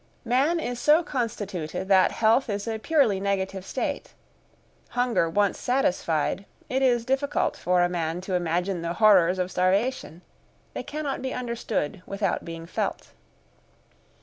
Man is so constituted that health is a purely negative state. Hunger once satisfied, it is difficult for a man to imagine the horrors of starvation; they cannot be understood without being felt.